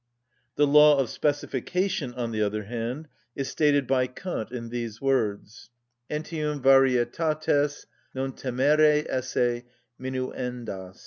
_ The law of Specification, on the other hand, is stated by Kant in these words: _Entium varietates non temere esse minuendas.